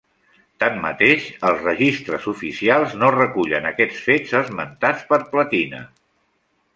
Tanmateix els registres oficials no recullen aquests fets esmentats per Platina.